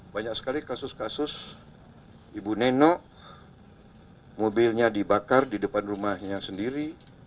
banyak sekali kasus kasus ibu neno mobilnya dibakar di depan rumahnya sendiri